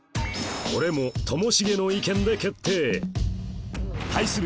これもともしげの意見で決定対する